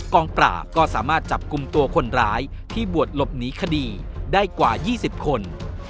กองปราบก็สามารถจับกลุ่มตัวคนร้ายที่บวชหลบหนีคดีได้กว่า๒๐คน